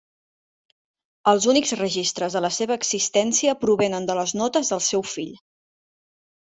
Els únics registres de la seva existència provenen de les notes del seu fill.